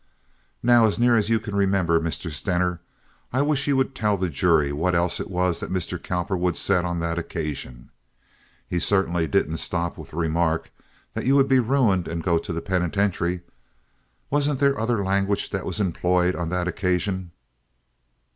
"Now, as near as you can remember, Mr. Stener, I wish you would tell the jury what else it was that Mr. Cowperwood said on that occasion. He certainly didn't stop with the remark that you would be ruined and go to the penitentiary. Wasn't there other language that was employed on that occasion?"